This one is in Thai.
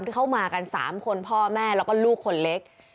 เข้ามากัน๓คนพ่อแม่แล้วก็ลูกคนเล็ก